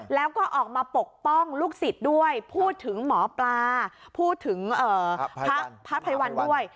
แล้วก็ออกมาปกป้องลูกศิษย์ด้วยพูดถึงหมอปลาพูดถึงพระภัยวันด้วย